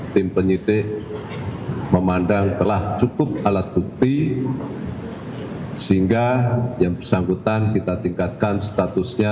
tim penyidik memandang telah cukup alat bukti sehingga yang bersangkutan kita tingkatkan statusnya